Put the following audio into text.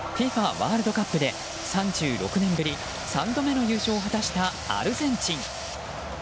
ワールドカップで３６年ぶり３度目の優勝を果たした、アルゼンチン。